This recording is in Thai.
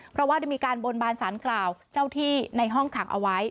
เพราะว่าได้มีการบนบานสารกล่าวเจ้าที่ในห้องขังเอาไว้